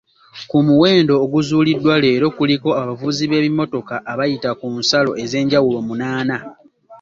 Ku muwendo oguzuuliddwa leero kuliko abavuzi b’ebimotoka abayita ku nsalo ez’enjawulo munaana.